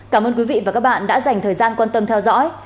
cảm ơn quý vị và các bạn đã dành thời gian quan tâm theo dõi